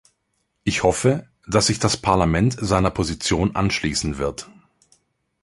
Ich hoffe, dass sich das Parlament seiner Position anschließen wird.